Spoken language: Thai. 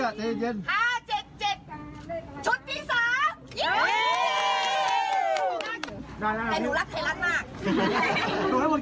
ถ่ายรัดซีรายยุดตุ้นชูถ่ายรัดนะ